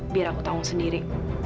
biar aku tanggung sendiri